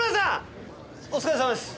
お疲れさまです。